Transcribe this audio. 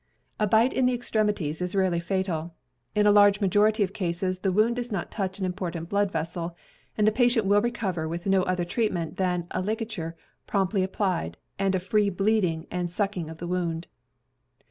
A bite in the extremities is rarely fatal. In a large majority of cases the wound 316 CAMPING AND WOODCRAFT does not touch an important blood vessel, and the patient will recover with no other treatment than a ligature promptly applied, and a free bleeding and sucking of the wound.